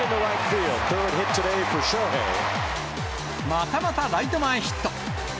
またまたライト前ヒット。